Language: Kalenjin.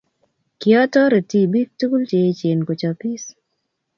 Kiotoret tibik tugul che eechen kochopis